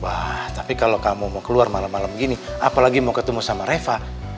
wah tapi kalau kamu mau keluar malam malam gini apalagi mau ketemu sama reva